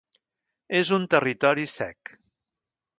És un territori sec.